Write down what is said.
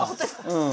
うん。